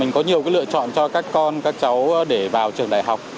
có nhiều lựa chọn cho các con các cháu để vào trường đại học